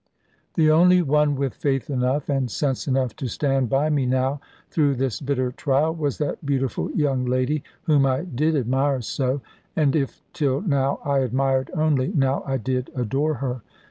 The only one with faith enough, and sense enough, to stand by me now, through this bitter trial, was that beautiful young lady, whom I did admire so. And if till now I admired only, now I did adore her.